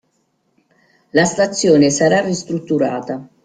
La stazione sarà ristrutturata.